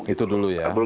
itu dulu ya